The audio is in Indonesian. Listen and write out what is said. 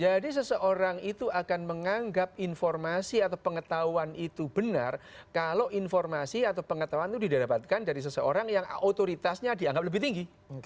jadi seseorang itu akan menganggap informasi atau pengetahuan itu benar kalau informasi atau pengetahuan itu didapatkan dari seseorang yang otoritasnya dianggap lebih tinggi